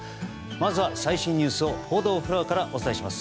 まずは、最新ニュースを報道フロアからお伝えします。